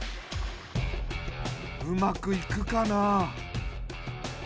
うまくいくかな？